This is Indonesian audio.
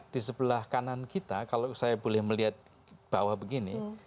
di sebelah kanan kita kalau saya boleh melihat bahwa begini